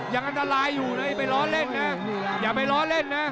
ยังอันตรายอยู่นะไปล้อเล่นนะอย่าไปล้อเล่นนะ